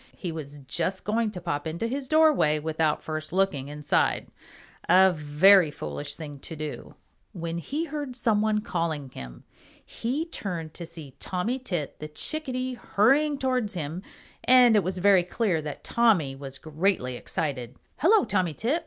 He was just going to pop into his doorway without first looking inside, a very foolish thing to do, when he heard some one calling him. He turned to see Tommy Tit the Chickadee hurrying towards him, and it was very clear that Tommy was greatly excited. "Hello, Tommy Tit!